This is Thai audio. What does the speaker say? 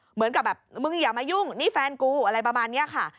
เหมือนกับแบบมึงอย่ามายุ่งนี่แฟนกูอะไรประมาณนี้ค่ะ